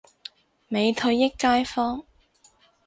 美腿益街坊